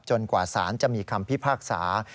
กว่าสารจะมีคำพิพากษา